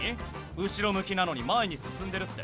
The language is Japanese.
後ろ向きなのに前に進んでるって？」